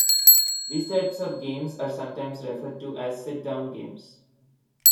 These types of games are sometimes referred to as "sit-down" games.